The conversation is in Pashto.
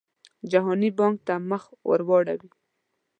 جهاني بانک ته مخ ورواړوي.